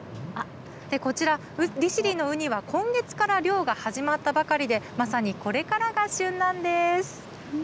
こちら、利尻のウニは、今月から漁が始まったばかりで、まさにこれからが旬なんです。